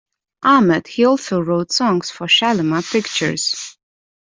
Ahmed, he also wrote songs for Shalimar Pictures.